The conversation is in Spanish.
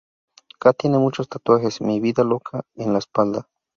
Kat tiene muchos tatuajes: "mi vida loca" en la espalda.